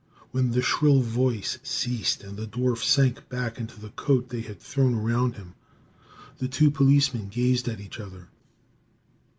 When the shrill voice ceased and the dwarf sank back into the coat they had thrown around him, the two policemen gazed at each other.